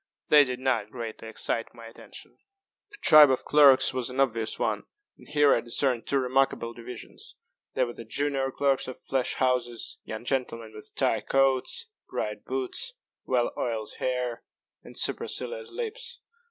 They did not greatly excite my attention. The tribe of clerks was an obvious one and here I discerned two remarkable divisions. There were the junior clerks of flash houses young gentlemen with tight coats, bright boots, well oiled hair, and supercilious lips.